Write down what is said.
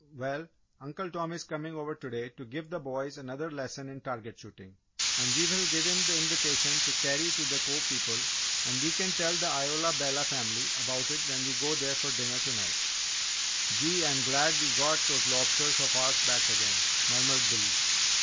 "Well, Uncle Tom is coming over to day to give the boys another lesson in target shooting and we will give him the invitation to carry to the Cove people, and we can tell the Isola Bella family about it when we go there to dinner to night!" "Gee! I'm glad we got those lobsters of ours back again!" murmured Billy.